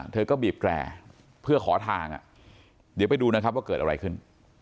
เธอก็บีบแกร่เพื่อขอทางเดี๋ยวไปดูนะครับว่าเกิดอะไรขึ้น